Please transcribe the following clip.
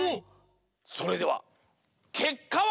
それではけっかは。